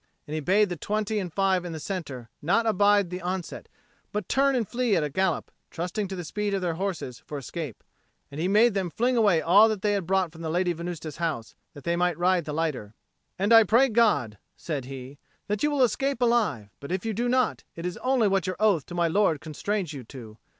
And he bade the twenty and five in the centre not abide the onset, but turn and flee at a gallop, trusting to the speed of their horses for escape. And he made them fling away all that they had brought from the Lady Venusta's house, that they might ride the lighter. "And I pray God," said he, "that you will escape alive; but if you do not, it is only what your oath to my lord constrains you to.